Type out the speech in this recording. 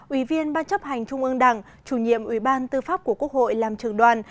ủy viên ban chấp hành trung ương đảng chủ nhiệm ủy ban tư pháp của quốc hội làm trường đoàn